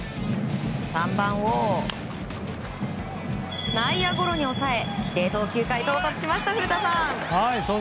３番を内野ゴロに抑え規定投球回到達しました古田さん！